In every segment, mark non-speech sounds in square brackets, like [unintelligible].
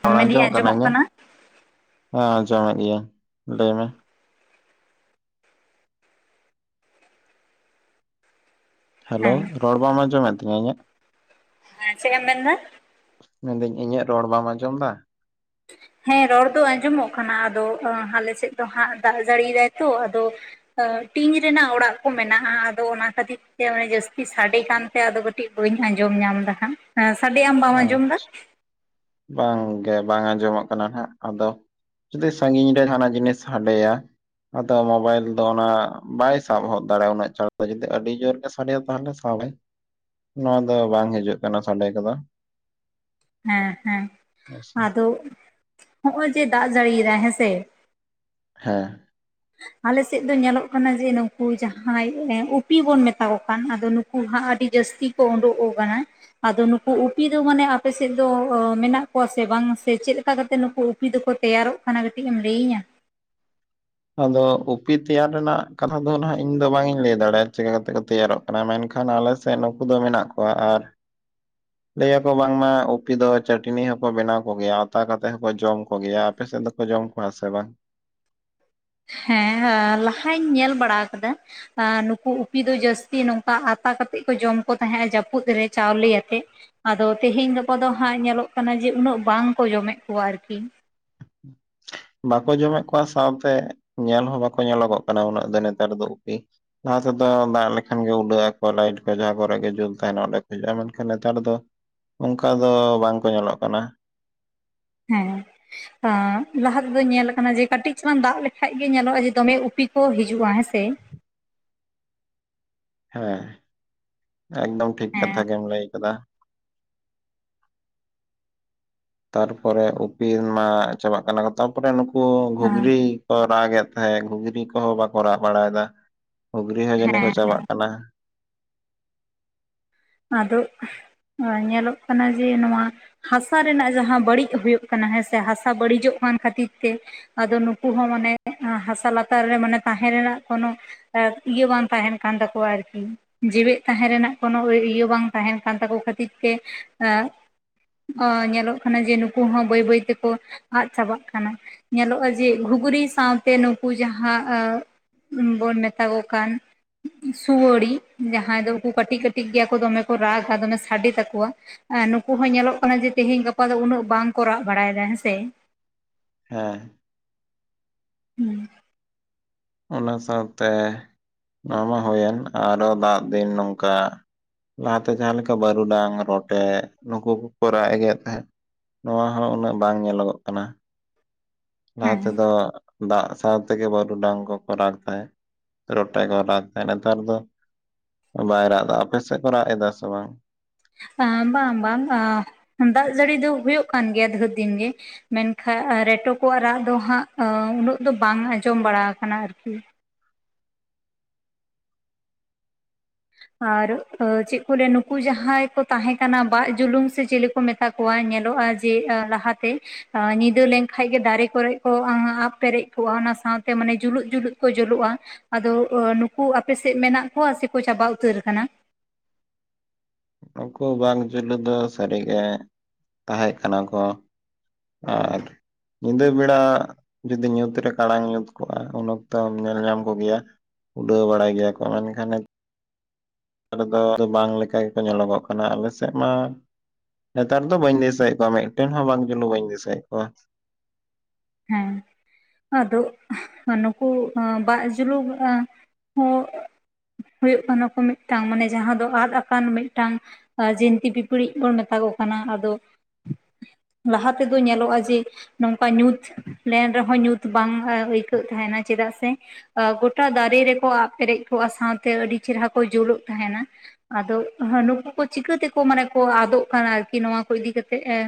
ᱦ ᱫᱚᱢᱮᱞᱤᱧ ᱟᱸᱡᱚᱢᱚᱜ ᱠᱟᱱᱟ ᱾ ᱦᱮ ᱟᱡᱚᱢᱮᱜᱮᱭᱟ ᱞᱟᱹᱭ ᱢᱮ᱾ ᱦᱮᱞᱳ ᱦᱮᱸ ᱨᱚᱲ ᱵᱟᱢ ᱟᱸᱡᱚᱢᱮᱫ ᱛᱤᱧᱟᱹ ᱤᱧᱟᱹᱜ᱾ ᱦᱮᱸ ᱪᱮᱫ ᱢᱮᱱ ᱫᱟ? ᱢᱮᱱᱫᱟᱹᱧ ᱤᱧᱟᱹᱜ ᱨᱚᱲ ᱵᱟᱵ ᱟᱸᱡᱚᱢ ᱫᱟ᱾ ᱦᱮᱸ ᱨᱚᱲ ᱫᱚ ᱟᱸᱡᱚᱢᱚᱜ ᱠᱟᱱᱟ ᱟᱫᱚ ᱟᱟᱞᱮᱥᱮᱫ ᱫᱚ ᱦᱟᱸᱜ ᱫᱟᱜ ᱡᱟᱹᱲᱤᱭ ᱫᱟᱭ ᱛᱚ ᱟᱫᱚ᱾ ᱴᱤᱧ ᱨᱮᱱᱟᱜ ᱚᱲᱟᱜ ᱠᱚ ᱢᱮᱱᱟᱜᱼᱟ ᱟᱫᱚ ᱚᱱᱟ ᱠᱷᱟᱹᱛᱤᱨ ᱛᱮᱚ ᱡᱟᱹᱥᱛᱤ ᱥᱟᱰᱮ ᱠᱷᱟᱱ ᱟᱫᱚ ᱠᱟᱹᱴᱤᱡ ᱵᱟᱹᱧ ᱟᱸᱡᱚᱢ ᱧᱟᱢ ᱮᱫᱟ ᱠᱷ ᱥᱟᱰᱮ ᱟᱢ ᱵᱟᱢ ᱟᱨ ᱟᱸᱡᱚᱢ ᱮᱫᱟ? ᱵᱟᱝᱜᱮ ᱵᱟᱝ ᱟᱸᱡᱚᱢᱚᱜ ᱠᱟᱱᱟ ᱛᱟᱦᱮᱸᱫ ᱟᱫᱚ ᱡᱩᱫᱟᱹ ᱥᱟᱺᱜᱤᱧ ᱨᱮ ᱡᱟᱦᱱᱟᱜ ᱡᱤᱱᱤᱥ ᱦᱟᱸᱰᱮᱭᱟ ᱟᱫᱚ ᱢᱳᱵᱟᱭᱤᱞ ᱫᱚ ᱚᱱᱟ ᱵᱟᱭ ᱥᱟᱵ ᱦᱚ ᱚᱫ ᱫᱟᱲᱮᱭᱟᱜᱼᱟ ᱩᱱᱟᱹᱜ ᱪᱟ ᱫᱚ ᱡᱩᱫᱤ ᱟᱹᱰᱤ ᱡᱩᱨ ᱜᱮ ᱥ ᱯᱟᱰᱮ ᱦᱚ ᱯᱟᱞᱮᱭ ᱥᱟᱵᱼᱟᱭ, ᱱᱚᱣᱟ ᱫᱚ ᱵᱟᱝ ᱦᱤᱡᱩᱜ ᱠᱟᱱᱟ ᱥᱟᱰᱮ ᱠᱚᱫᱚ᱾ ᱦᱮᱸ -ᱦᱮᱸ ᱟᱪᱪᱷᱟ ᱟᱫᱚ ᱦᱚᱜ ᱚᱭ ᱡᱮ ᱫᱟᱜ ᱡᱟᱹᱲᱤᱭ ᱫᱟᱭ ᱦᱮᱸᱥᱮ᱾ ᱦᱮ᱾ ᱟᱞᱮ ᱥᱮᱫ ᱫᱚ ᱧᱮᱞᱚᱜ ᱠᱟᱱᱟ ᱡᱮ ᱱᱩᱜ ᱠᱩ ᱡᱟᱦᱟᱸᱭ ᱩᱯᱤ ᱵᱚᱱ ᱢᱮᱛᱟ ᱠᱚ ᱠᱟᱱ ᱟᱫᱚ ᱱᱩ ᱠᱩᱦᱟᱜ ᱟᱹᱰᱤ ᱡᱟᱹᱥᱛᱤ ᱠᱚ ᱚᱰᱩᱠᱚᱜ ᱠᱟᱱᱟᱭ᱾ ᱟᱫᱚ ᱱᱩᱠᱩ ᱩᱯᱤ ᱫᱚ ᱢᱟᱱᱮ ᱟᱯᱮ ᱥᱮᱫ ᱫᱚ ᱚ ᱢᱮᱱᱟᱜ ᱠᱚᱣᱟ ᱥᱮ ᱵᱟᱝ ᱥᱮ ᱪᱮᱫ ᱞᱮᱠᱟᱛᱮᱜ ᱱᱩᱠᱩ ᱩᱯᱤ ᱫᱚᱠᱚ ᱛᱮᱭᱟᱨᱚᱜ ᱠᱟᱱᱟ ᱠᱟᱹᱴᱤᱡ ᱮᱢ ᱞᱟᱹᱭᱟᱹᱧᱟ᱾ ᱟᱫᱚ ᱩᱯᱤ ᱛᱮᱭᱟᱨ ᱨᱮᱱᱟᱜ ᱠᱟᱛᱷᱟ ᱫᱚ ᱱᱟᱜ ᱤᱧ ᱫᱚ ᱵᱟᱝᱤᱧ ᱞᱟᱹᱭ ᱫᱟᱲᱮᱭᱟᱜᱼᱟ ᱪᱮᱠᱟ ᱛᱮ ᱠᱚ ᱛᱮᱭᱟᱨᱚᱜ ᱢᱮᱱᱠᱷᱟᱱ ᱟᱞᱮᱥᱮᱫ ᱱᱩᱠᱩ ᱫᱚ ᱢᱮᱱᱟᱜ ᱠᱚᱣᱟ ᱟᱨ [inaudible] ᱞᱟᱹᱭᱟᱠᱚ ᱵᱟᱝᱢᱟ ᱩᱯᱤ ᱫᱚ ᱪᱟᱹᱴᱱᱤ ᱦᱚᱸᱠᱚ ᱵᱮᱱᱟᱣ ᱠᱚᱜᱮᱭᱟ ᱚᱛᱟ ᱠᱟᱛᱮ ᱦᱚᱠᱚ ᱡᱚᱢ ᱠᱚᱜᱮᱭᱟ ᱟᱯᱮ ᱥᱮᱫ ᱫᱚᱠᱚ ᱡᱚᱢ ᱵᱟ ᱥᱮ ᱵᱟᱝ? ᱦᱮᱸᱻ ᱞᱟᱦᱟᱧ ᱧᱮᱞ ᱵᱟᱲᱟ ᱟᱠᱟᱫᱟ᱾ ᱟᱨ ᱱᱩᱠᱩ ᱩᱯᱤ ᱫᱚ ᱡᱟᱹᱥᱛᱤ ᱱᱚᱝᱠᱟ ᱦᱟᱛᱟ ᱠᱟᱛᱮᱜ ᱠᱚ ᱡᱚᱢ ᱠᱚ ᱛᱟᱦᱮᱸ‌ ᱡᱟᱹᱯᱩᱫ ᱨᱮ ᱪᱟᱣᱞᱮ ᱟᱛᱮᱜ᱾ ᱟᱫᱚ ᱛᱮᱦᱮᱧ ᱜᱟᱯᱟ ᱫᱚ ᱦᱟᱸᱜ ᱧᱮᱞᱚᱜ ᱠᱟᱱᱟ ᱡᱮ ᱩᱱᱟᱹᱜ ᱵᱟᱝ ᱠᱚ ᱡᱚᱢᱮᱫ ᱠᱚᱣᱟ ᱟᱨᱠᱤ᱾ ᱵᱟᱠᱚ ᱡᱚᱢᱮᱫ ᱠᱚᱣᱟ ᱥᱟᱶᱛᱮ ᱧᱮᱞ ᱦᱚᱸ ᱵᱟᱠᱚ ᱧᱮᱞᱚᱜᱚᱜ ᱠᱟᱱᱟ ᱩᱱᱟᱹᱜ ᱫᱚ ᱱᱮᱛᱟᱨ ᱫᱚ ᱩᱯᱤ᱾ ᱞᱟᱦᱟ ᱛᱮᱫᱚ ᱫᱟᱜ ᱞᱮᱠᱷᱟᱱ ᱜᱮ ᱩᱞᱟᱹᱜ ᱟᱠᱚ ᱞᱟᱭᱤᱴ ᱠᱚ ᱡᱟᱦᱟᱸ ᱠᱚᱨᱮ ᱜᱮ ᱡᱩᱞ ᱛᱟᱦᱮᱱᱟ ᱚᱸᱰᱮ ᱠᱚ ᱦᱤᱡᱩᱜᱼᱟ ᱢᱮᱱᱠᱷᱟᱱ ᱱᱮᱛᱟᱨ ᱫᱚ ᱚᱱᱠᱟ ᱫᱚ ᱵᱟᱝᱠᱚ ᱧᱮᱞᱚᱜ ᱠᱟᱱᱟ᱾ ᱦᱮᱸ᱾ ᱞᱟᱦᱟ ᱛᱮᱫᱚᱧ ᱧᱮᱞ ᱠᱟᱱᱟ ᱡᱮ ᱠᱟᱹᱴᱤᱡ ᱪᱟᱞᱟᱱ ᱫᱟᱜ ᱞᱮᱠᱷᱟᱡ ᱜᱮ ᱧᱮᱞᱚᱜᱼᱟ ᱡᱮ ᱫᱚᱢᱮ ᱩᱯᱤ ᱠᱚ ᱦᱤᱡᱩᱜᱼᱟ ᱦᱮᱸᱥᱮ᱾ ᱦᱮᱸ ᱮᱠᱫᱚᱢ ᱴᱷᱤᱠ ᱦᱮᱸ ᱠᱟᱛᱷᱟ ᱜᱮᱢ ᱞᱟᱹᱭ ᱟᱠᱟᱫᱟ᱾ ᱛᱟᱨᱯᱚᱨᱮ ᱩᱯᱤᱱ ᱢᱟ ᱪᱟᱵᱟᱜ ᱠᱟᱱᱟ ᱠᱚ ᱛᱟᱨᱯᱚᱨᱮ ᱱᱩ ᱩᱱᱠᱩ ᱦᱮᱸ ᱜᱷᱩᱜᱽᱨᱤ ᱠᱚ ᱨᱟᱜ ᱮᱫ ᱛᱟᱦᱮᱸᱫ ᱜᱷᱩᱜᱽᱨᱤ ᱠᱚᱦᱚᱸ ᱵᱟᱠᱚ ᱨᱟᱜ ᱵᱟᱲᱟᱭᱮᱫᱟ᱾ ᱦᱩᱜᱽᱨᱤ ᱦᱚᱸ ᱡᱟᱹᱱᱤᱡ ᱦᱮᱸ ᱠᱚ ᱦᱮᱸ ᱪᱟᱵᱟᱜ ᱠᱟᱱᱟ᱾ ᱟᱫᱚ ᱧᱮᱞᱚᱜ ᱠᱟᱱᱟ ᱡᱮ ᱱᱚᱣᱟ ᱦᱟᱥᱟ ᱨᱮᱱᱟᱜ ᱡᱟᱦᱟᱸ ᱵᱟᱹᱲᱤᱡ ᱦᱩᱭᱩᱜ ᱠᱟᱱᱟ, ᱦᱮᱸ ᱥᱮ ᱦᱟᱥᱟ ᱵᱟᱹᱲᱤᱡᱚᱜ ᱠᱟᱱ ᱠᱷᱟᱹᱛᱤᱨ ᱛᱮ ᱟᱫᱚ ᱱᱩᱠᱩ ᱦᱚᱸ ᱢᱟᱱᱮ ᱦᱟᱥᱟ ᱞᱟᱛᱟᱨ ᱨᱮ, ᱢᱟᱱᱮ ᱛᱟᱦᱮᱸ ᱨᱮᱱᱟᱜ ᱠᱳᱱᱳ ᱟᱨ ᱤᱭᱟᱹ ᱵᱟᱝ ᱛᱟᱦᱮᱱ ᱠᱟᱱ ᱛᱟᱠᱚᱣᱟ, ᱟᱨᱠᱤ ᱡᱤᱣᱤᱫ ᱛᱟᱦᱮᱸᱱ ᱨᱮᱱᱟᱜ ᱠᱳᱱᱳ ᱳᱤ ᱤ ᱤᱭᱟᱹ ᱵᱟᱝ ᱛᱟᱦᱮᱱ ᱠᱟᱱ ᱛᱟᱠᱚ ᱠᱷᱟᱹᱛᱤᱨ ᱛᱮ, ᱮ ᱚ ᱧᱮᱞᱚᱜ ᱠᱟᱱᱟ ᱡᱮ, ᱱᱩᱠᱩ ᱦᱚᱸ ᱵᱟᱹᱭ -ᱵᱟᱹᱭ ᱛᱮᱠᱚ ᱟᱫ ᱪᱟᱵᱟᱜ ᱠᱟᱱᱟ᱾ ᱧᱮᱞᱚᱜᱼᱟ ᱡᱮ ᱜᱷᱩᱜᱽᱨᱤ ᱥᱟᱶᱛᱮ ᱩᱱᱠᱩ ᱡᱟᱦᱟᱸ, ᱟᱹ ᱵᱚᱱ ᱢᱮᱛᱟ ᱠᱚ ᱠᱟᱱ, ᱥᱩᱣᱟᱹᱲᱤ ᱡᱟᱦᱟᱸᱭ ᱫᱚ ᱠᱩ ᱠᱟᱴᱤᱡ -ᱠᱟᱹᱴᱤᱡ ᱜᱮᱭᱟ ᱠᱚ ᱫᱚᱢᱮ ᱠᱚ ᱨᱟᱜᱟ, ᱫᱚᱢᱮ ᱥᱟᱰᱮ‌ ᱛᱟᱠᱚᱣᱟ᱾ ᱟᱨ ᱱᱩᱠᱩ ᱦᱚᱸ ᱧᱮᱞᱚᱜ ᱠᱟᱱᱟ ᱡᱮ, ᱛᱮᱦᱮᱧ ᱜᱟᱯᱟ ᱫᱚ ᱩᱱᱟᱹᱜ ᱵᱟᱝᱠᱚ, ᱨᱟᱜ ᱵᱟᱲᱟᱭᱫᱟ ᱦᱮᱸᱥᱮ᱾ ᱦᱮᱸ, ᱦᱩᱸ, ᱚᱱᱟ ᱥᱟᱶᱛᱮ ᱱᱚᱣᱟ ᱢᱟ ᱦᱳᱭᱮᱱ, ᱟᱨᱚ ᱫᱟᱜ ᱫᱤᱱ ᱱᱚᱝᱠᱟ ᱞᱟᱦᱟᱛᱮ ᱡᱟᱦᱟᱸ ᱞᱮᱠᱟ, ᱵᱟᱹᱨᱩᱰᱟᱝ ᱨᱚᱴᱮ ᱱᱩᱠᱩ ᱠᱚᱠᱚ ᱨᱟᱜ ᱮᱜᱮᱫ ᱛᱟᱦᱮᱸᱫ᱾ ᱱᱚᱣᱟ ᱦᱚᱸ ᱩᱱᱟᱹᱜ, ᱵᱟᱝ ᱧᱮᱞᱚᱜᱚᱜ ᱠᱟᱱᱟ᱾ ᱞᱟᱦᱟ ᱛᱮᱫᱚ, ᱫᱟᱜ ᱥᱟᱶᱛᱮᱜᱮ ᱵᱟᱹᱨᱩᱰᱟᱝ ᱠᱚ ᱠᱚ ᱨᱟᱜᱽ ᱛᱟᱦᱮᱫ, ᱨᱳᱴᱮ ᱠᱚ ᱨᱟᱜᱽ ᱛᱟᱦᱮᱫ, ᱱᱮᱛᱟᱨ ᱫᱚ ᱵᱟᱭ ᱨᱟᱜ ᱫᱟ, ᱟᱯᱮ ᱥᱮᱫ ᱠᱚ ᱨᱟᱜ ᱫᱟ, ᱥᱮ ᱵᱟᱝ? ᱰᱟᱢ -ᱵᱟᱢ, -ᱵᱟᱢ -ᱰᱟᱢ, ᱫᱟᱜ ᱡᱟᱹᱲᱤ ᱫᱚ ᱦᱳᱭᱳᱜ ᱠᱟᱱ ᱜᱮᱭᱟ ᱫᱷᱮᱨ ᱫᱤᱱ ᱜᱮ᱾ ᱢᱮᱱᱠᱷᱟᱱ ᱨᱮᱴᱚ ᱠᱚᱣᱟᱜ ᱨᱟᱜ ᱫᱚ ᱦᱟᱸᱜ, ᱟᱹ ᱩᱱᱟᱹᱜ ᱫᱚ ᱵᱟᱝ ᱟᱸᱡᱚᱢ ᱵᱟᱲᱟ ᱠᱟᱱᱟ ᱟᱨᱠᱤ᱾ ᱟᱨ ᱪᱮᱫ ᱠᱚ ᱞᱟᱹᱭᱟ ᱱᱩᱠᱩ ᱡᱟᱦᱟᱸᱭ ᱠᱚ, ᱛᱟᱦᱮᱸ ᱠᱟᱱᱟ ᱵᱟᱜᱽ ᱡᱩᱞᱩᱝ ᱥᱮ ᱪᱤᱞᱤ ᱠᱚᱼᱼ ᱠᱚ ᱢᱮᱛᱟ ᱠᱚᱣᱟ, ᱧᱮᱞᱚᱜᱼᱟ ᱡᱮ ᱞᱟᱦᱟᱛᱮᱼᱼ ᱧᱤᱫᱟᱹ ᱞᱮᱱᱠᱷᱟᱡ ᱜᱮ ᱫᱟᱹᱨᱮ ᱠᱚᱨᱮ ᱠᱚ, ᱟᱵᱽ ᱯᱮᱨᱮᱡᱽ ᱠᱚᱜᱼᱟ, ᱚᱱᱟ ᱥᱟᱶᱛᱮ ᱢᱟᱱᱮ ᱡᱩᱞᱩᱜ ᱡᱩᱞᱩᱜ ᱠᱚ ᱡᱩᱞᱩᱜᱼᱟ ᱾ ᱟᱫᱚ ᱱᱩᱠᱩ ᱟᱯᱮᱥᱮᱫ ᱢᱮᱱᱟᱜ ᱠᱚᱣᱟ, ᱥᱮᱠᱚ ᱪᱟᱵᱟ ᱩᱛᱟᱹᱨ ᱠᱟᱱᱟ? ᱱᱩᱠᱩ ᱵᱟᱜᱽ ᱡᱩᱞᱩᱝ ᱫᱚ, ᱥᱟᱹᱨᱤᱜᱮ ᱛᱟᱦᱮᱸ ᱠᱟᱱᱟ ᱠᱚᱼᱼ ᱟᱨᱼᱼ ᱧᱤᱫᱟᱹ ᱵᱮᱲᱟ ᱡᱩᱫᱤ ᱧᱩᱛᱨᱮ, ᱠᱟᱲᱟᱝ ᱧᱩᱛ ᱠᱚᱜᱼᱟ, ᱩᱱ ᱚᱠᱛᱚᱢ ᱧᱮᱞ ᱧᱟᱢ ᱠᱚᱜᱮᱭᱟ ᱾ ᱩᱰᱟᱹᱣ ᱵᱟᱲᱟᱭ ᱜᱮᱭᱟ ᱠᱚ, ᱢᱮᱱᱠᱷᱟᱱᱼᱼ ᱱᱮᱛᱟᱨ ᱫᱚ ᱵᱟᱝ ᱞᱮᱠᱟ ᱜᱮᱠᱚ, ᱧᱮᱞᱚᱜᱚᱜ ᱠᱟᱱᱟ ᱟᱞᱮ ᱥᱮᱫ ᱢᱟᱼᱼ ᱱᱮᱛᱟᱨ ᱫᱚ ᱵᱟᱹᱧ ᱫᱤᱥᱟᱹᱭᱮᱫ ᱠᱚᱣᱟ, ᱢᱤᱫᱴᱮᱱ ᱦᱚᱸ ᱵᱟᱝ ᱡᱩᱞᱩᱝ ᱵᱟᱹᱧ ᱫᱤᱥᱟᱹᱭᱮᱫ ᱠᱚᱣᱟ ᱾ ᱦᱮᱸ, ᱟᱫᱚᱜ, ᱱᱩᱠᱩ ᱵᱟᱜᱸ ᱡᱩᱞᱩᱝ ᱦᱚᱸᱼᱼ ᱦᱳᱭᱳᱜ ᱠᱟᱱᱟ ᱠᱚ, ᱢᱤᱫᱴᱟᱝ ᱢᱟᱱᱮ ᱡᱟᱦᱟᱸ ᱫᱚ ᱟᱫᱽ ᱟᱠᱟᱱ, ᱢᱤᱫᱴᱟᱝᱼᱼ ᱡᱤᱱᱛᱤ ᱯᱤᱯᱤᱲᱤᱡᱽ ᱵᱚᱱ, ᱢᱮᱛᱟ ᱠᱚ ᱠᱟᱱᱟ, ᱟᱫᱚᱼᱼ ᱞᱟᱦᱟ ᱛᱮᱫᱚ ᱧᱮᱞᱚᱜᱼᱟ, ᱡᱮ ᱱᱚᱝᱠᱟ ᱧᱩᱛᱼᱼ ᱞᱮᱱ ᱨᱮᱦᱚᱸ ᱧᱩᱛ, ᱵᱟᱝ ᱟᱹᱭᱠᱟᱹᱜ ᱛᱟᱦᱮᱱᱟ ᱪᱮᱫᱟᱜ ᱥᱮᱼᱼ ᱜᱚᱴᱟ ᱫᱟᱨᱮ ᱨᱮᱠᱚ ᱟᱵᱽ ᱯᱮᱨᱮᱡᱽ ᱠᱚᱜᱼᱟ, ᱥᱟᱶᱛᱮ ᱟᱹᱰᱤ ᱪᱮᱨᱦᱨᱟ ᱠᱚ, ᱡᱳᱞᱜ ᱛᱟᱦᱮᱱᱟ ᱾ ᱟᱫᱚ ᱱᱩᱠᱩ ᱠᱚ ᱪᱤᱠᱟᱹ ᱛᱮᱠᱚ, ᱢᱟᱱᱮ ᱠᱚ ᱟᱫᱚᱜ ᱠᱟᱱᱟ, ᱟᱨᱠᱤ ᱱᱚᱣᱟ ᱠᱚ ᱤᱫᱤ ᱠᱟᱛᱮᱜ ᱮᱸᱼᱼ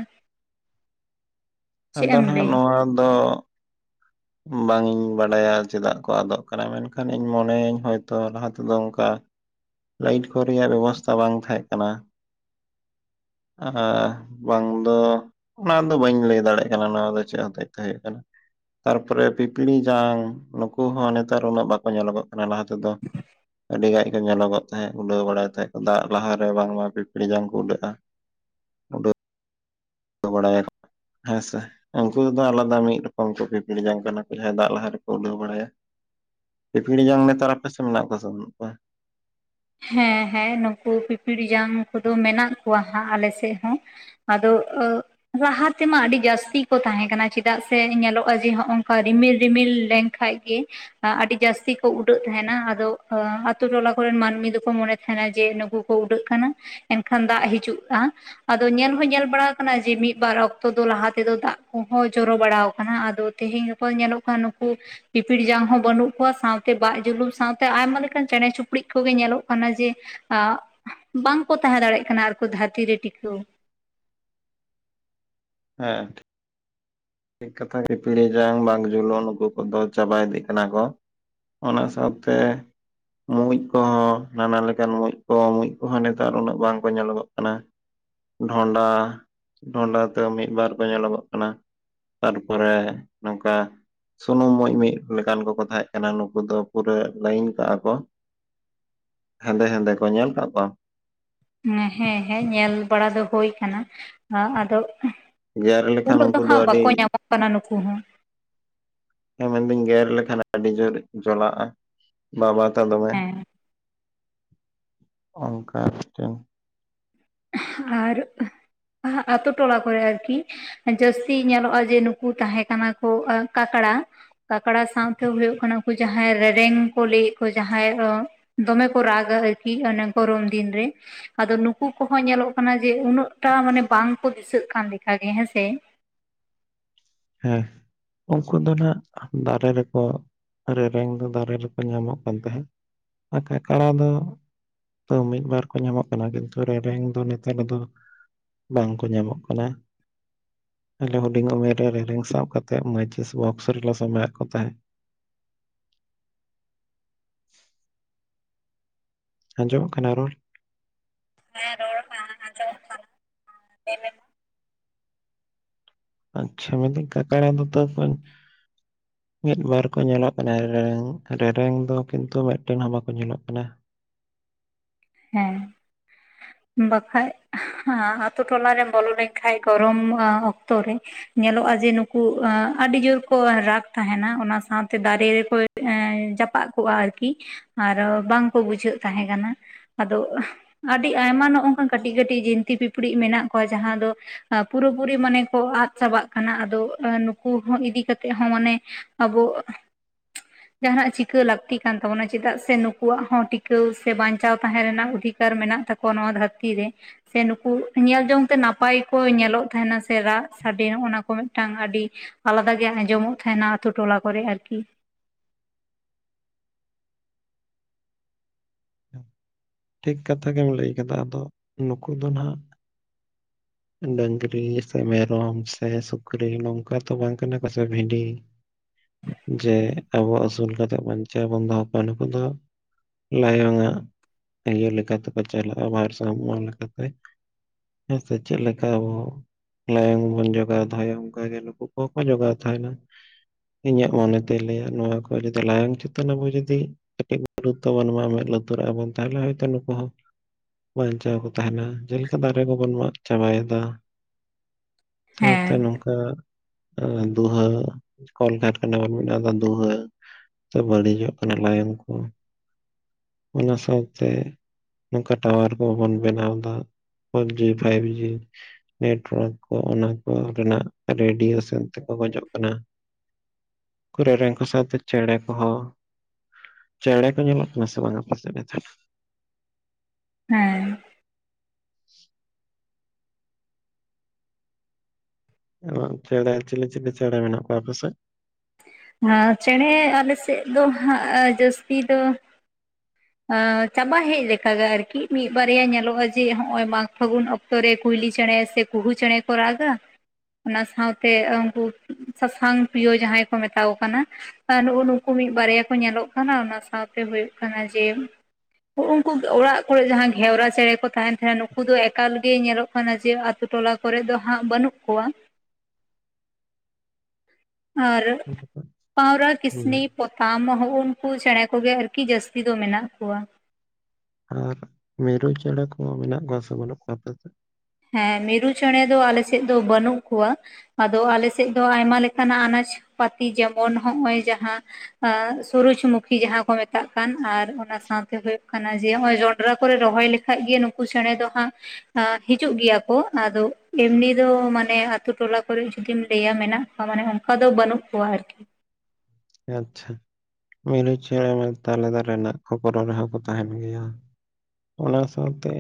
[inaudible] [inaudible] ᱟᱫᱚ, ᱮᱢ ᱱᱟᱜ ᱞᱟᱹᱭᱟ ᱱᱚᱣᱟ ᱫᱚᱼᱼ ᱵᱟᱝ ᱤᱧ ᱵᱟᱰᱟᱭᱟ ᱪᱮᱫᱟᱜ ᱠᱚ ᱟᱫᱚᱜ ᱠᱟᱱᱟ, ᱢᱮᱱᱠᱷᱟᱱ ᱤᱧ ᱢᱚᱱᱮᱭᱟᱹᱧ ᱦᱚᱭᱛᱚ ᱞᱟᱦᱟ ᱛᱮᱫᱚ, ᱚᱱᱠᱟ ᱞᱟᱭᱤᱴ ᱠᱚ ᱨᱮᱭᱟᱜ, ᱵᱮᱵᱚᱥᱛᱷᱟ ᱵᱟᱝ ᱛᱟᱦᱮᱸᱜ ᱠᱟᱱᱟ ᱾ ᱮᱸᱻᱵᱟᱝ ᱫᱚ ᱚᱱᱟ ᱫᱚ, ᱵᱟᱹᱧ ᱞᱟᱹᱭ ᱫᱟᱲᱮᱜᱼᱟ ᱾ ᱠᱟᱱᱟ, ᱱᱚᱣᱟ ᱫᱚ ᱪᱮᱫ ᱦᱚᱛᱮ ᱛᱮ ᱦᱳᱭᱜ ᱠᱟᱱᱟ? ᱛᱟᱨᱯᱚᱨᱮ ᱯᱤᱯᱤᱲ ᱡᱟᱝ, ᱱᱩᱠᱩ ᱦᱚᱸ ᱱᱮᱛᱟᱨ ᱩᱱᱟᱹᱜ ᱵᱟᱠᱚ, ᱧᱮᱞᱚᱜᱚᱜ ᱠᱟᱱᱟ ᱞᱟᱦᱟ ᱛᱮᱫᱚ ᱟᱹᱰᱤ ᱜᱟᱱ ᱠᱚ ᱧᱮᱞᱚᱜᱚᱜ ᱛᱟᱦᱮᱸᱜ, ᱩᱰᱟᱹᱣ ᱵᱟᱲᱟᱭ ᱛᱟᱦᱮᱸ ᱠᱚ, ᱫᱟᱜ ᱞᱟᱦᱟᱨᱮ ᱵᱟᱝᱢᱟ ᱯᱤᱯᱤᱲ ᱡᱟᱝ ᱠᱚ ᱩᱰᱟᱹᱜᱼᱟ ᱾ ᱵᱟᱰᱟᱭᱟ ᱠᱚ ᱦᱮᱸᱥᱮ? ᱩᱱᱠᱩ ᱫᱚ ᱟᱞᱟᱫᱟ ᱢᱤᱫ ᱨᱚᱠᱚᱢ ᱠᱚ ᱯᱤᱯᱤᱲᱤ ᱡᱟᱝ ᱠᱟᱱᱟ ᱠᱚ ᱡᱟᱦᱟᱸᱭ ᱫᱟᱜ ᱞᱟᱦᱟ ᱨᱮᱠᱚ ᱩᱰᱟᱹᱣ ᱵᱟᱲᱟᱭᱟ ᱾ ᱯᱤᱯᱤᱲᱤ ᱡᱚᱝ ᱱᱮᱛᱟᱨ ᱟᱯᱮᱥᱮᱫ ᱢᱮᱱᱟᱜ ᱠᱚᱣᱟ ᱥᱮ ᱵᱟᱹᱱᱩᱜ ᱠᱚᱣᱟ? ᱦᱮᱸ ᱦᱮᱸ ᱱᱩᱠᱩ ᱯᱤᱯᱤᱲᱤ ᱡᱟᱝ ᱠᱚᱫᱚ ᱢᱮᱱᱟᱜ ᱠᱚᱣᱟ ᱦᱟᱸᱜ ᱟᱞᱮ ᱥᱮᱫ ᱦᱚᱸ ᱾ ᱟᱫᱚᱼᱼ [unintelligible] ᱞᱟᱦᱟ ᱛᱮᱢᱟ ᱟᱹᱰᱤ ᱡᱟᱹᱥᱛᱤ ᱠᱚ ᱛᱟᱦᱮᱸ ᱠᱟᱱᱟ ᱪᱮᱫᱟᱜ ᱥᱮ ᱧᱮᱞᱚᱜᱼᱟ ᱡᱮ ᱦᱚᱝᱠᱟ ᱨᱤᱢᱤᱞ ᱨᱤᱢᱤᱞᱼᱼ ᱞᱮ ᱠᱷᱟᱡᱽ ᱜᱮ ᱟᱹᱰᱤ ᱡᱟᱥᱛᱤ ᱠᱚ ᱩᱰᱟᱹᱜ ᱛᱟᱦᱮᱱᱟ ᱟᱫᱚ ᱟᱹᱛᱩ ᱴᱚᱞᱟ ᱠᱚᱨᱮᱱ ᱢᱟᱹᱱᱢᱤ ᱫᱚᱼᱼ ᱩᱱ ᱠᱚ ᱢᱚᱱᱮ ᱛᱟᱦᱮᱱᱟ ᱡᱮ ᱱᱩᱠᱩ ᱠᱚ ᱩᱰᱟᱹᱜ ᱠᱟᱱᱟ ᱮᱱᱠᱷᱟᱱ ᱫᱟᱜ ᱦᱤᱡᱩᱜᱼᱟ, ᱾ ᱟᱫᱚ ᱧᱮᱞ ᱦᱚᱸ ᱧᱮᱞ ᱵᱟᱲᱟ ᱟᱠᱟᱱᱟ ᱡᱮ ᱢᱤᱫᱵᱟᱨ ᱚᱠᱛᱚ ᱫᱚ ᱞᱟᱦᱟ ᱛᱮᱫᱚ ᱫᱟᱜ ᱠᱚᱦᱚᱸ ᱡᱚᱨᱚ ᱵᱟᱲᱟ ᱟᱠᱟᱱᱟ ᱟᱫᱚ ᱛᱮᱦᱮᱱ ᱜᱟᱼᱼ ᱠᱚ ᱧᱮᱞᱚᱜ ᱠᱟᱱᱟ ᱱᱩᱠᱩᱼᱼ ᱯᱤᱯᱤᱲ ᱡᱟᱝ ᱦᱚᱸ ᱵᱟᱹᱱᱩᱜ ᱠᱚᱣᱟ ᱥᱟᱶᱛᱮ ᱵᱟᱜᱽ ᱡᱩᱞᱩᱝ ᱥᱟᱶᱛᱮ ᱟᱭᱢᱟ ᱞᱮᱠᱟᱱ ᱪᱮᱬᱮ ᱪᱤᱯᱲᱩᱡ ᱠᱚᱜᱮ ᱧᱮᱞᱚᱜᱼᱼ ᱠᱟᱱᱟ ᱡᱮ ᱵᱟᱝᱠᱚ ᱛᱟᱦᱮᱸ ᱫᱟᱲᱮᱭᱟᱜ ᱠᱟᱱᱟ ᱟᱨ ᱫᱷᱟᱹᱨᱛᱤ ᱨᱮ ᱴᱤᱠᱟᱹᱣ ᱾ ᱦᱮᱸ ᱴᱷᱤᱠ ᱠᱟᱛᱷᱟ ᱯᱤᱯᱤᱲ ᱡᱟᱝ ᱵᱟᱜᱽ ᱡᱩᱞᱩᱝ ᱱᱩᱠᱩ ᱠᱚᱫᱚ ᱪᱟᱵᱟ ᱤᱫᱤᱜ ᱠᱟᱱᱟ ᱠᱚᱼᱼ ᱚᱱᱟ ᱥᱟᱶᱛᱮᱼᱼ ᱢᱩᱸᱡ ᱠᱚᱦᱚᱸ ᱱᱟᱱᱟ ᱞᱮᱠᱟᱱ ᱢᱩᱡ ᱠᱚ ᱢᱩᱸᱡ ᱠᱚᱦᱚᱸ ᱱᱮᱛᱟᱨ ᱩᱱᱟᱹᱜ ᱵᱟᱝ ᱠᱚ ᱧᱮᱞᱚᱜᱚᱜ ᱠᱟᱱᱟ ᱾ ᱰᱚᱸᱰᱟ ᱰᱚᱸᱰᱟ ᱛᱮ ᱢᱤᱫ ᱵᱟᱨ ᱠᱚ ᱧᱮᱞᱚᱜᱚᱜ ᱠᱟᱱᱟ ᱾ ᱛᱟᱨᱯᱚᱨᱮ ᱱᱚᱝᱠᱟᱼᱼ ᱥᱩᱱᱩᱢ ᱢᱩᱡ ᱢᱤᱫ ᱞᱮᱠᱟᱱ ᱠᱚᱠᱚ ᱛᱟᱦᱮᱸ ᱠᱟᱱᱟ ᱱᱩᱠᱩ ᱫᱚ ᱯᱩᱨᱟᱹ ᱞᱟᱹᱭᱤᱱ ᱠᱟᱜᱼᱟ ᱠᱚ ᱾ ᱦᱮᱸᱫᱮ ᱦᱮᱸᱫᱮ ᱠᱚ ᱧᱮᱞ ᱟᱠᱟᱫ ᱠᱚᱣᱟᱢ? ᱦᱮᱸ ᱦᱮᱸ ᱧᱮᱞ ᱵᱟᱲᱟ ᱫᱚ ᱦᱳᱭ ᱟᱠᱟᱱᱟ ᱟᱫᱚᱼᱼ ᱜᱮᱨ ᱞᱮᱠᱷᱟᱱ ᱩᱱᱟᱹᱜ ᱫᱚ ᱩᱱᱠᱩ ᱦᱟᱸᱜ ᱵᱟᱠᱚ ᱟᱹᱰᱤ ᱧᱟᱢᱚᱜ ᱠᱟᱱᱟ ᱱᱩᱠᱩ ᱦᱚᱸ ᱾ ᱦᱮᱸ ᱢᱮᱱᱫᱟᱹᱧ ᱜᱮᱨ ᱞᱮᱠᱷᱟᱱ ᱟᱹᱰᱤ ᱡᱳᱨ ᱡᱚᱞᱟᱜᱼᱟ᱾ ᱵᱟᱵᱟ ᱛᱟ ᱫᱚᱢᱮ ᱦᱮᱸ ᱚᱱᱠᱟ [unintelligible] ᱟᱨ ᱟᱛᱳ ᱴᱚᱞᱟ ᱠᱚᱨᱮ ᱟᱨᱠᱤ ᱡᱟᱹᱥᱛᱤ ᱧᱮᱞᱚᱜᱼᱟ ᱡᱮ ᱱᱩᱠᱩ ᱛᱟᱦᱮᱸ ᱠᱟᱱᱟ ᱠᱚ ᱠᱟᱠᱲᱟ ᱠᱟᱠᱲᱟ ᱥᱟᱶᱛᱮ ᱦᱩᱭᱩᱜ ᱠᱟᱱᱟ ᱠᱚ ᱩᱱᱠᱩ ᱡᱟᱦᱟᱸᱭ ᱨᱮᱨᱮᱝ ᱠᱚ ᱞᱟᱹᱭᱮᱫ ᱠᱚ ᱡᱟᱦᱟᱸᱭ ᱫᱚᱢᱮ ᱠᱩ ᱨᱟᱜᱟ ᱟᱨᱠᱤ ᱱᱟᱝ ᱠᱚᱨᱚᱢ ᱫᱤᱱᱨᱮ ᱟᱫᱚ ᱱᱩᱼᱼ ᱩᱱᱠᱩ ᱠᱚᱦᱚᱸ ᱧᱮᱞᱚᱜ ᱠᱟᱱᱟ ᱡᱮ ᱩᱱᱟᱹᱜ ᱵᱟᱝ ᱠᱚ ᱫᱤᱥᱟᱹᱜ ᱠᱟᱱ ᱞᱮᱠᱟ ᱜᱮ ᱦᱮᱸ ᱥᱮ᱾ ᱦᱮᱸ, ᱩᱱᱠᱩ ᱫᱚ ᱱᱟᱜ ᱫᱟᱨᱮ ᱨᱮᱠᱚ ᱨᱮᱨᱮᱧ ᱫᱚ ᱫᱟᱨᱮ ᱨᱮᱠᱚ ᱧᱟᱢᱚᱜ ᱠᱟᱱ ᱛᱟᱦᱮᱸᱫ᱾ ᱟᱨ ᱠᱟᱠᱲᱟ ᱫᱚ ᱛᱚ ᱢᱤᱫᱵᱟᱨ ᱠᱚ ᱧᱟᱢᱚᱜ ᱠᱟᱱᱟ ᱠᱤᱱᱛᱩ ᱨᱮᱨᱮᱧ ᱫᱚ ᱱᱮᱛᱟᱨ ᱫᱚ ᱵᱟᱝ ᱠᱚ ᱧᱟᱢᱚᱜ ᱠᱟᱱᱟ᱾ ᱟᱞᱮ ᱦᱩᱰᱤᱧ ᱩᱢᱮᱨ ᱨᱮᱨᱤᱝ ᱥᱟᱵ ᱠᱟᱛᱮᱫ ᱢᱟᱪᱮᱥ ᱵᱚᱠᱥ ᱨᱮᱞᱮ ᱥᱟᱢᱵᱟᱣᱮᱫ ᱠᱚ ᱛᱟᱦᱮᱸᱫ᱾ ᱟᱡᱚᱢᱚᱜ ᱠᱟᱱᱟ ᱨᱳᱞ? ᱦᱮ ᱨᱚᱲ [unintelligible] ᱟᱡᱚᱢᱚᱜ ᱠᱟᱱᱟ ᱟᱪᱪᱷᱟ ᱢᱮᱱᱫᱟᱹᱧ ᱠᱟᱠᱲᱟ ᱛᱟᱹᱣ [unintelligible] ᱢᱤᱫ ᱵᱟᱨ ᱠᱚ ᱧᱮᱞᱚᱜ ᱠᱟᱱᱟ ᱨᱮᱨᱮᱧ ᱨᱮᱨᱮᱝ ᱫᱚ ᱠᱤᱱᱛᱩ ᱢᱤᱫᱴᱮᱱ ᱦᱚᱸ ᱵᱟᱠᱚ ᱧᱮᱞᱚᱜ ᱠᱟᱱᱟ᱾ ᱦᱮᱸ ᱵᱟᱠᱷᱟᱡ ᱟᱛᱳ ᱴᱚᱞᱟ ᱨᱮᱢ ᱵᱚᱞᱚ ᱞᱮᱱᱠᱷᱟᱡ ᱜᱚᱨᱚᱢ ᱚᱠᱛᱚ ᱨᱮ, ᱧᱮᱞᱚᱜᱼᱟ ᱡᱮ ᱱᱩᱠᱩ ᱟᱹᱰᱤ ᱡᱳᱨ ᱠᱚ ᱨᱟᱜ ᱛᱟᱦᱮᱱᱟ᱾ ᱚᱱᱟ ᱥᱟᱶᱛᱮ ᱫᱟᱨᱮ ᱨᱮᱠᱚ ᱡᱟᱯᱟᱜ ᱠᱚᱜᱼᱟ ᱟᱨᱠᱤ, ᱟᱨᱚ ᱵᱟᱝᱠᱚ ᱵᱩᱡᱷᱟᱹᱜ ᱛᱟᱦᱮᱸ ᱠᱟᱱᱟ ᱟᱫᱚ ᱟᱹᱰᱤ ᱟᱭᱢᱟ ᱱᱚ ᱱᱚᱝᱠᱟᱱ ᱠᱟᱹᱴᱤᱡ ᱠᱟᱹᱴᱤᱡ ᱡᱤᱱᱛᱤ ᱯᱤᱯᱲᱤ ᱢᱮᱱᱟᱜ ᱠᱚᱣᱟ ᱡᱟᱦᱟᱸ ᱫᱚ ᱯᱩᱨᱟᱹᱯᱩᱨᱤ ᱢᱟᱱᱮ ᱠᱚ ᱟᱫ ᱪᱟᱵᱟᱜ ᱠᱟᱱᱟ ᱟᱫᱚ ᱱᱩᱠᱩ ᱤᱫᱤ ᱠᱟᱛᱮᱜ ᱦᱚᱸ ᱢᱟᱱᱮ, ᱟᱵᱚ ᱡᱟᱦᱟᱱᱟᱜ ᱪᱤᱠᱟᱹ ᱞᱟᱹᱠᱛᱤ ᱠᱟᱱ ᱛᱟᱵᱚᱱᱟ, ᱪᱮᱫᱟᱜ ᱥᱮ ᱱᱩᱠᱩᱣᱟᱜ ᱦᱚᱸ ᱴᱤᱠᱟᱹᱣ ᱥᱮ ᱵᱟᱧᱪᱟᱣ ᱛᱟᱦᱮᱸ ᱨᱮᱱᱟᱜ ᱚᱫᱷᱤᱠᱟᱨ ᱢᱮᱱᱟᱜ ᱛᱟᱠᱚᱣᱟᱼᱼ ᱱᱚᱣᱟ ᱫᱷᱟᱹᱨᱛᱤ ᱨᱮ ᱾ ᱥᱮ ᱱᱩᱠᱩ ᱧᱮᱞ ᱡᱚᱝ ᱛᱮ ᱱᱟᱯᱟᱭ ᱠᱚ ᱧᱮᱞᱚᱜ ᱛᱟᱦᱮᱱᱟ ᱥᱮ ᱨᱟᱜ ᱥᱟᱰᱮ ᱱᱚᱜᱱᱟ ᱠᱚ ᱢᱤᱫᱴᱟᱝ ᱟᱹᱰᱤ ᱟᱞᱟᱫᱟ ᱜᱮ ᱟᱸᱡᱚᱢᱚᱜ ᱛᱟᱦᱮᱱᱟ ᱟᱛᱩ ᱴᱚᱞᱟ ᱠᱚᱨᱮ ᱟᱨᱠᱤ᱾ ᱴᱷᱤᱠ ᱠᱟᱛᱷᱟ ᱜᱮᱢ ᱞᱟᱹᱭ ᱠᱮᱫᱟ᱾ ᱟᱫᱚ ᱱᱩᱠᱩ ᱫᱚ ᱱᱟᱜ [unintelligible] ᱰᱟᱹᱝᱨᱤ ᱥᱮ ᱢᱮᱨᱚᱢ ᱥᱮ ᱥᱩᱠᱨᱤ ᱱᱚᱝᱠᱟ ᱛᱚ ᱵᱟᱝ ᱠᱟᱱᱟ ᱠᱚ ᱥᱮ ᱵᱷᱤᱰᱤ [unintelligible] ᱡᱮ ᱟᱵᱚ ᱟᱹᱥᱩᱞ ᱠᱟᱛᱮᱜ ᱵᱟᱧᱪᱟᱣ ᱵᱚᱱ ᱫᱚᱦᱚ ᱠᱚᱣᱟ ᱱᱩᱠᱩ ᱫᱚ᱾ ᱞᱟᱭᱚᱝ ᱟᱜ ᱤᱭᱟᱹ ᱞᱮᱠᱟᱛᱮ ᱠᱚ ᱪᱟᱞᱟᱜᱼᱟ ᱵᱷᱟᱨ ᱥᱟᱢᱢᱚ ᱞᱮᱠᱟᱛᱮ ᱦᱮᱸᱥᱮ ᱪᱮᱫ ᱞᱮᱠᱟ ᱟᱵᱚ ᱞᱟᱭᱚᱝ ᱵᱚᱱ ᱡᱚᱜᱟᱣ ᱫᱚᱦᱚᱭᱟ ᱚᱱᱠᱟ ᱜᱮ ᱱᱩᱠᱩ ᱠᱚᱦᱚᱸ ᱠᱚ ᱡᱚᱜᱟᱣ ᱛᱟᱦᱮᱱᱟ᱾ ᱤᱧᱟᱹᱜ ᱢᱚᱱᱮᱛᱮᱭ ᱞᱟᱹᱭᱟ ᱱᱚᱣᱟ ᱠᱚ ᱡᱩᱫᱤ ᱞᱟᱭᱚᱝ ᱪᱮᱛᱟᱱ ᱟᱵᱚ ᱡᱩᱫᱤ ᱠᱟᱹᱴᱤᱡ ᱜᱩᱨᱩᱛᱛᱚ ᱵᱚᱱ ᱮᱢᱟ ᱢᱮᱫ ᱞᱩᱛᱩᱨᱟᱜᱼᱟᱵᱚᱱ ᱛᱟᱦᱚᱞᱮᱛᱳ ᱱᱩᱠᱩ ᱦᱚᱸ ᱵᱟᱧᱪᱟᱣ ᱠᱚ ᱛᱟᱦᱮᱱᱟ ᱡᱮᱞᱮᱠᱟ ᱫᱟᱨᱮ ᱠᱚᱵᱚᱱ ᱢᱟᱜ ᱪᱟᱵᱟᱭᱮᱫᱟ᱾ ᱥᱟᱶᱛᱮ ᱦᱮᱸ ᱱᱚᱝᱠᱟ, ᱫᱩᱦᱟᱹ ᱠᱚᱞᱜᱴᱠᱷᱟᱱᱟ ᱵᱚᱱ ᱢᱮᱱᱟᱣᱫᱟ ᱫᱩᱦᱟᱹ ᱾ ᱵᱟᱹᱲᱤᱡᱚᱜ ᱠᱟᱱᱟ ᱞᱟᱭᱚᱝ ᱠᱚ ᱾ ᱚᱱᱟ ᱥᱟᱶᱛᱮᱼᱼ ᱱᱚᱝᱠᱟ ᱴᱟᱣᱟᱨ ᱠᱚᱵᱚᱱ ᱵᱮᱱᱟᱣ ᱮᱫᱟ four G five G network ᱠᱚ ᱚᱱᱟ ᱠᱚ ᱨᱮᱱᱟᱜ ᱨᱮᱰᱤᱭᱮᱥᱚᱱ ᱛᱮᱠᱚ ᱜᱚᱡᱚᱜ ᱠᱟᱱᱟ᱾ ᱩᱱᱠᱩ ᱨᱮᱨᱮᱧ ᱠᱚ ᱥᱟᱣᱛᱮ ᱪᱮᱬᱮ ᱠᱚ ᱦᱚ᱾ ᱪᱮᱲᱮ ᱠᱚ ᱧᱮᱞᱚᱜ ᱠᱟᱱᱟ ᱥᱮ ᱵᱟᱝ ᱟᱯᱮ ᱥᱮᱫ ᱱᱮᱛᱟᱨ? ᱦᱮᱸ ᱾ ᱪᱮᱲᱮ ᱪᱤᱞ ᱪᱤᱞ ᱪᱮᱲᱮ ᱢᱮᱱᱟᱜᱼᱟ ᱠᱚᱣᱟ ᱟᱯᱮᱥᱮᱫ? ᱪᱮᱬᱮ ᱟᱞᱮ ᱥᱮᱫ ᱫᱚ ᱦᱟᱸᱜ ᱡᱟᱹᱥᱛᱤ ᱫᱚ ᱪᱟᱵᱟ ᱦᱮᱡ ᱞᱮᱠᱟ ᱜᱮ ᱟᱨᱠᱤ᱾ ᱢᱤᱫ ᱵᱟᱨᱭᱟ ᱧᱮᱞᱚᱜᱼᱟ ᱡᱮ ᱦᱚᱸᱜᱼᱚᱭ ᱢᱟᱜᱽ-ᱯᱷᱟᱹᱜᱩᱱ ᱠᱚ ᱨᱮ ᱠᱩᱸᱭᱞᱤ ᱪᱮᱬᱮ ᱥᱮ ᱠᱩᱦᱩ ᱪᱮᱬᱮ ᱠᱚ ᱨᱟᱜᱽ ᱟ᱾ ᱚᱱᱟ ᱥᱟᱶᱛᱮ ᱩᱱᱠᱩ ᱥᱟᱥᱟᱝ ᱯᱤᱭᱳ ᱡᱟᱦᱟᱸᱭ ᱠᱚ ᱢᱮᱛᱟᱣ ᱠᱟᱱᱟ ᱱᱩᱜᱩ ᱱᱩᱠᱩ ᱢᱤᱫ ᱵᱟᱨᱭᱟ ᱠᱚ ᱧᱮᱞᱚᱜ ᱠᱟᱱᱟ᱾ ᱚᱱᱟ ᱥᱟᱶᱛᱮ ᱦᱩᱭᱩᱜ ᱠᱟᱱᱟ ᱡᱮ ᱩᱱᱠᱩ ᱚᱲᱟᱜ ᱠᱚᱨᱮ ᱡᱟᱦᱟᱸ ᱜᱷᱮᱣᱨᱟ ᱪᱮᱬᱮ ᱠᱚ ᱛᱟᱦᱮᱱ ᱛᱟᱦᱮᱸᱱᱟ᱾ ᱱᱩᱠᱩ ᱫᱚ ᱮᱠᱟᱞ ᱜᱮ ᱧᱮᱞᱚᱜ ᱠᱟᱱᱟ ᱡᱮ ᱟᱹᱛᱩ-ᱴᱚᱞᱟ ᱠᱚᱨᱮ ᱫᱚ ᱦᱟᱸᱜ ᱵᱟᱹᱱᱩᱜ ᱠᱚᱣᱟ᱾ ᱟᱨ ᱯᱟᱣᱨᱟ, ᱦᱩᱸ ᱠᱤᱥᱱᱤ ᱯᱚᱛᱟᱢ ᱦᱚᱸ ᱩᱱᱠᱩ ᱪᱮᱬᱮ ᱠᱚᱜᱮ ᱟᱨᱠᱤ ᱡᱟᱹᱥᱛᱤ ᱫᱚ ᱢᱮᱱᱟᱜ ᱠᱚᱣᱟ᱾ ᱟᱨ ᱢᱤᱨᱩ ᱪᱮᱬᱮ ᱠᱚ ᱢᱮᱱᱟᱜ ᱠᱚᱣᱟ ᱥᱮ ᱵᱟᱹᱱᱩᱜ ᱠᱚᱣᱟ ᱟᱯᱮ ᱚᱱᱛᱮ? ᱦᱟᱸ ᱢᱤᱨᱩ ᱪᱮᱬᱮ ᱟᱞᱮᱥᱮᱫ ᱫᱚ ᱵᱟᱹᱱᱩᱜ ᱠᱚᱣᱟ᱾ ᱟᱫᱚ ᱟᱞᱮᱥᱮᱫ ᱫᱚ ᱟᱭᱢᱟ ᱞᱮᱠᱟᱱᱟᱜ ᱟᱱᱟᱡ ᱯᱟᱛᱤ ᱡᱮᱢᱚᱱ ᱱᱚᱜᱼᱚᱭ ᱡᱟᱦᱟᱸ ᱞᱮᱠᱟᱱᱟᱜ ᱥᱩᱨᱡ ᱢᱩᱸᱠᱷᱤ ᱡᱟᱦᱟᱸ ᱠᱚ ᱢᱮᱛᱟᱜ ᱠᱟᱱ ᱟᱨ ᱚᱱᱟ ᱥᱟᱶᱛᱮ ᱦᱩᱭᱩᱜ ᱠᱟᱱᱟ ᱡᱮ ᱱᱚᱜᱼᱚᱭ ᱡᱚᱱᱰᱨᱟ ᱠᱚᱨᱮ ᱨᱚᱦᱚᱭ ᱠᱷᱟᱱ ᱠᱷᱟᱱᱡ ᱜᱮ ᱱᱩᱠᱩ ᱪᱮᱬᱮ ᱫᱚ ᱦᱟᱸᱜ ᱦᱤᱡᱩᱜ ᱜᱮᱭᱟ ᱠᱚ᱾ ᱟᱫᱚ ᱮᱢᱱᱤ ᱫᱚ ᱢᱟᱱᱮ ᱟᱹᱛᱩ- ᱴᱚᱞᱟ ᱠᱚᱨᱮ ᱡᱩᱫᱤᱢ ᱞᱟᱹᱭᱟ ᱢᱮᱱᱟᱜ ᱢᱟᱱᱮ ᱚᱱᱠᱟ ᱫᱚ ᱵᱟᱹᱱᱩᱜ ᱠᱚᱣᱟ ᱟᱨᱠᱤ᱾ ᱟᱪᱪᱷᱟ, ᱢᱤᱨᱩ ᱪᱮᱬᱮ ᱢᱮᱱᱮ ᱛᱟᱞᱮ ᱫᱟᱨᱮ ᱨᱮᱱᱟᱜ ᱠᱷᱚᱠᱚᱨᱚ ᱨᱮᱦᱚᱸ ᱠᱚ ᱛᱟᱦᱮᱱ ᱜᱮᱭᱟ᱾ ᱚᱱᱟ ᱥᱟᱶᱛᱮ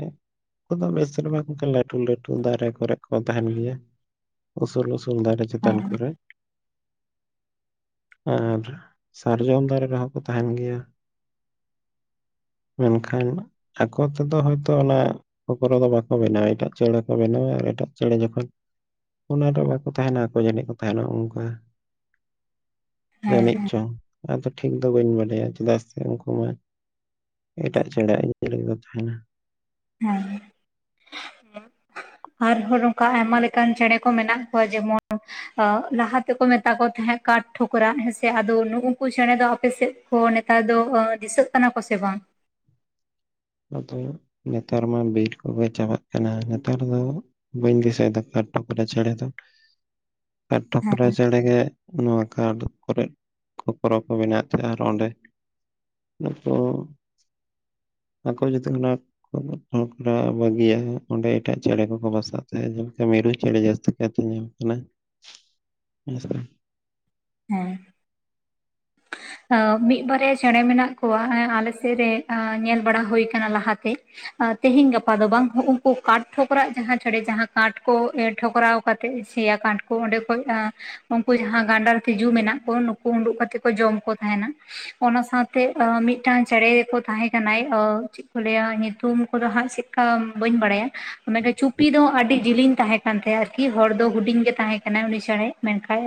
ᱩᱱᱠᱩ ᱫᱚ ᱵᱮᱥᱨᱢᱟ ᱚᱱᱠᱟ ᱞᱟᱹᱴᱩ- ᱞᱟᱹᱴᱩ ᱫᱟᱨᱮ ᱠᱚᱨᱮ ᱠᱚ ᱛᱟᱦᱮᱱ ᱜᱮᱭᱟ᱾ ᱩᱥᱩᱞ ᱩᱥᱩᱞ ᱫᱟᱨᱮ ᱪᱮᱛᱟᱱ ᱦᱮᱸ ᱠᱚᱨᱮ᱾ ᱟᱨ ᱥᱟᱨᱡᱚᱢ ᱫᱟᱨᱮ ᱨᱮᱦᱚᱸ ᱠᱚ ᱛᱟᱦᱮᱱ ᱜᱮᱭᱟ᱾ [inaudible] ᱢᱮᱱᱠᱷᱟᱱ ᱟᱠᱚ ᱛᱮᱫᱚ ᱦᱚᱭᱛᱚ ᱚᱱᱟ ᱠᱷᱚᱠᱚᱨᱚ ᱫᱚ ᱵᱟᱠᱚ ᱵᱮᱱᱟᱣᱟ᱾ ᱮᱴᱟᱜ ᱪᱮᱬᱮ ᱠᱚ ᱵᱮᱱᱟᱣᱟ ᱟᱨ ᱮᱴᱟᱜ ᱪᱮᱬᱮ ᱡᱚᱠᱷᱚᱱ ᱚᱱᱟᱰᱮ ᱵᱟᱠᱚ ᱛᱟᱦᱮᱱᱟ᱾ ᱟᱠᱚ ᱡᱟᱹᱱᱤᱡ ᱠᱚ ᱛᱟᱦᱮᱱᱟ ᱚᱝᱠᱟ᱾ ᱦᱮᱸ ᱡᱟᱹᱱᱤᱡ ᱦᱮᱸ ᱪᱚᱝ? ᱟᱫᱚ ᱴᱷᱤᱠ ᱴᱷᱤᱠ ᱫᱚ ᱵᱟᱹᱧ ᱵᱟᱰᱟᱭᱟ᱾ ᱪᱮᱫᱟᱜ ᱥᱮ ᱩᱱᱠᱩ ᱢᱟ ᱮᱴᱟᱜ ᱪᱮᱬᱮ ᱟᱜ ᱤᱞ ᱠᱚ ᱛᱟᱦᱮᱱᱟ᱾ ᱦᱮᱸ, ᱦᱮᱸ ᱟᱨ [unintelligible] ᱠᱟ ᱚᱱᱠᱟ ᱟᱭᱢᱟ ᱞᱮᱠᱟᱱ ᱪᱮᱬᱮ ᱠᱚ ᱢᱮᱱᱟᱜ ᱠᱚᱣᱟ, ᱡᱮᱢᱚᱱ ᱟᱜ ᱞᱟᱦᱟ ᱛᱮᱠᱚ ᱢᱮᱛᱟ ᱠᱚ ᱛᱟᱦᱮᱸᱫ ᱠᱟᱴᱷ ᱴᱷᱚᱠᱨᱟᱜ ᱦᱮᱸᱥᱮ, ᱟᱫᱚ ᱩᱱᱠᱩ ᱪᱮᱬᱮ ᱫᱚ ᱟᱯᱮᱥᱮᱫ ᱠᱷᱚ ᱱᱮᱛᱟᱨ ᱫᱚ ᱟ ᱫᱤᱥᱟᱹᱜ ᱠᱟᱱᱟ ᱠᱚ ᱥᱮ ᱵᱟᱝ? ᱟᱫᱚ ᱱᱮᱛᱟᱨ ᱢᱟ ᱵᱤᱨ ᱠᱚᱜᱮ ᱪᱟᱵᱟᱜ ᱠᱟᱱᱟ᱾ ᱱᱮᱛᱟᱨ ᱫᱚ ᱵᱟᱹᱧ ᱫᱤᱥᱟᱭ ᱮᱫᱚ᱾ ᱠᱟᱴ ᱯᱚᱛᱲᱟ ᱪᱮᱬᱮ ᱫᱚ᱾ [inaudible] ᱠᱟᱴ ᱴᱚᱠᱚᱨᱟ ᱦᱮᱸ ᱪᱮᱬᱮ ᱜᱮ ᱱᱚᱣᱟ ᱠᱟᱴ ᱠᱚᱨᱮ ᱠᱚ ᱠᱷᱚᱠᱚᱨᱚ ᱠᱚ ᱵᱮᱱᱟᱣᱮᱫ ᱛᱟᱦᱮᱸᱱᱟ ᱟᱨ ᱚᱸᱰᱮ [unintelligible] ᱟᱠᱚ ᱡᱩᱫᱤ ᱚᱱᱟ [unintelligible] ᱵᱟᱹᱜᱤᱭᱤᱼᱟ᱾ ᱚᱸᱰᱮ ᱮᱴᱟᱜ ᱪᱮᱬᱮ ᱠᱚᱠᱚ ᱵᱟᱥᱟᱜ ᱛᱟᱦᱮᱸ-ᱟ᱾ ᱡᱮᱞᱮᱠᱟ ᱢᱤᱨᱩ ᱪᱮᱬᱮ ᱡᱟᱹᱥᱛᱤ ᱧᱮᱞ ᱠᱟᱱᱟ᱾ [inaudible] ᱦᱮᱸ ᱥᱮ᱾ ᱦᱮᱸ᱾ ᱟ ᱢᱤᱫ ᱵᱟᱨᱭᱟ ᱪᱮᱬᱮ ᱢᱮᱱᱟᱜ ᱠᱚᱣᱟ᱾ ᱮᱸ ᱟᱞᱮᱥᱮᱫ ᱨᱮ ᱟ ᱧᱮᱞ ᱵᱟᱲᱟ ᱦᱩᱭ ᱟᱠᱟᱱᱟ᱾ ᱞᱟᱦᱟᱛᱮ ᱟ ᱛᱮᱦᱮᱧ ᱜᱟᱯᱟ ᱫᱚ ᱵᱟᱝ᱾ ᱦᱩᱤᱱᱠᱩ ᱠᱟᱴ ᱴᱷᱚᱠᱨᱟ ᱡᱟᱦᱟᱸ ᱪᱮᱬᱮ ᱡᱟᱦᱟᱸ ᱠᱟᱴ ᱠᱚ ᱮ ᱴᱷᱚᱠᱨᱟᱣ ᱠᱟᱛᱮᱫ ᱥᱮᱭᱟ ᱠᱟᱴ ᱠᱚ ᱚᱸᱰᱮ ᱠᱷᱚᱡ ᱮᱸ ᱩᱱᱠᱩ ᱡᱟᱦᱟᱸ ᱜᱟᱸᱰᱟᱨ ᱛᱤᱡᱩ ᱢᱮᱱᱟᱜ ᱠᱚᱣᱟ᱾ ᱱᱩᱠᱩ ᱩᱸᱰᱩᱜ ᱠᱟᱛᱮᱫ ᱠᱚ ᱡᱚᱢ ᱠᱚ ᱛᱟᱦᱮᱱᱟ᱾ ᱚᱱᱟ ᱥᱟᱶᱛᱮ ᱢᱤᱫᱴᱟᱝ ᱟ ᱪᱮᱬᱜᱮ ᱠᱚ ᱛᱟᱦᱮᱸ ᱠᱟᱱᱟᱭ ᱚ ᱪᱮᱫ ᱠᱚ ᱞᱟᱹᱭᱟ ᱧᱩᱛᱩᱢ ᱠᱚᱫᱚ ᱦᱟᱸᱜ ᱪᱮᱫ ᱠᱟ ᱵᱟᱹᱧ ᱵᱟᱲᱟᱭᱟ᱾ ᱢᱮᱱ ᱪᱩᱯᱤ ᱫᱚ ᱟᱹᱰᱤ ᱡᱤᱞᱤᱧ ᱛᱟᱦᱮᱸ ᱠᱟᱱ ᱛᱟᱦᱮᱸᱜ ᱟᱨᱠᱤ ᱦᱚᱲ ᱫᱚ ᱦᱩᱰᱤᱧ ᱜᱮ ᱛᱟᱦᱮᱸ ᱠᱟᱱᱟᱭ᱾ ᱩᱱᱤ ᱪᱮᱬᱮ ᱢᱮᱱᱠᱟᱡ